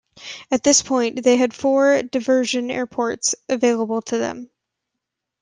At this point they had four diversion airports available to them.